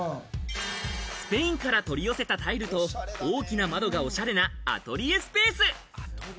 スペインから取り寄せたタイルと大きな窓がおしゃれなアトリエスペース。